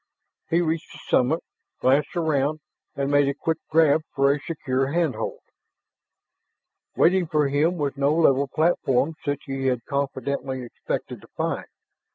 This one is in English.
He reached the summit, glanced around, and made a quick grab for a secure handhold. Waiting for him was no level platform such as he had confidently expected to find.